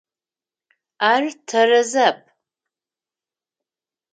Ар тэрэзэп.